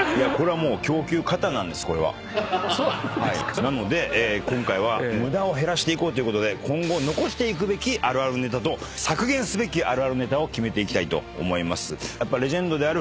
なので今回は無駄を減らしていこうということで今後残していくべきあるあるネタと削減すべきあるあるネタを決めていきたいと思います。